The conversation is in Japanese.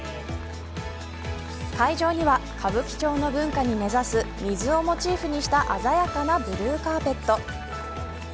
会場には、歌舞伎町の文化に根差す水をモチーフにした鮮やかなブルーカーペット。